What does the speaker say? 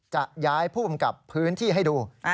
จะย้ายผู้กำกับพื้นที่ให้ดู